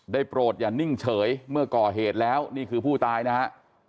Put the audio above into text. โปรดอย่านิ่งเฉยเมื่อก่อเหตุแล้วนี่คือผู้ตายนะฮะ